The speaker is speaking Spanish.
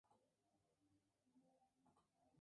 Los dos ganadores clasificaron a la tercera eliminatoria.